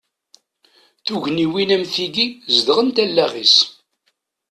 Tugniwin am tigi, zedɣent allaɣ-is.